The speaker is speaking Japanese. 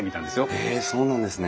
へえそうなんですね。